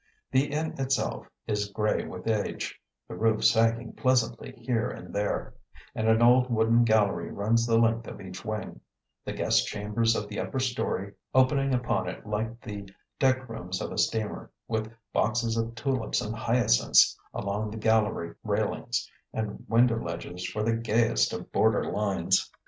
The inn itself is gray with age, the roof sagging pleasantly here and there; and an old wooden gallery runs the length of each wing, the guest chambers of the upper story opening upon it like the deck rooms of a steamer, with boxes of tulips and hyacinths along the gallery railings and window ledges for the gayest of border lines.